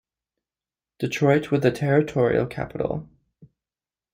Detroit was the territorial capital.